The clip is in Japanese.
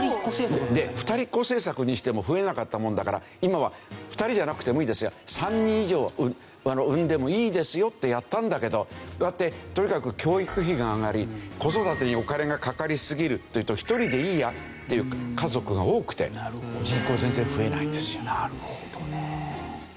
で二人っ子政策にしても増えなかったもんだから今は２人じゃなくてもいいですよ３人以上産んでもいいですよってやったんだけどとにかく教育費が上がり子育てにお金がかかりすぎるというと１人でいいやっていう家族が多くて人口全然増えないんですよ。